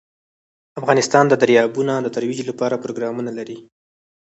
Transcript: افغانستان د دریابونه د ترویج لپاره پروګرامونه لري.